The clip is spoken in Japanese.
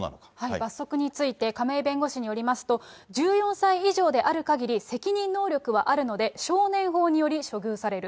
罰則について亀井弁護士によりますと、１４歳以上であるかぎり責任能力はあるので、少年法により処遇される。